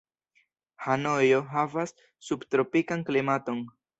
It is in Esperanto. Hanojo havas subtropikan klimaton.